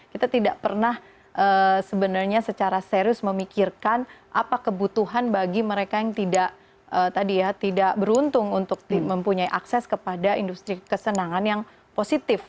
kita tidak pernah sebenarnya secara serius memikirkan apa kebutuhan bagi mereka yang tidak beruntung untuk mempunyai akses kepada industri kesenangan yang positif